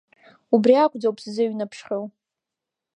Убри акәӡоуп сзыҩнаԥшхьоу…